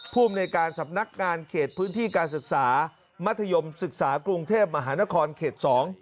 ภูมิในการสำนักงานเขตพื้นที่การศึกษามัธยมศึกษากรุงเทพมหานครเขต๒